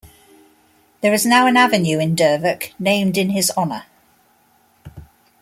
There is now an avenue in Dervock named in his honour.